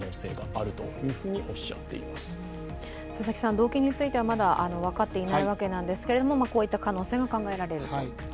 動機については、まだ分かっていないわけなんですけれども、こういった可能性が考えられると。